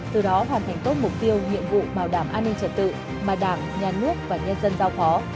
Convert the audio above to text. từ đó hoàn thành tốt mục tiêu nhiệm vụ bảo đảm an ninh trật tự mà đảng nhà nước và nhân dân giao phó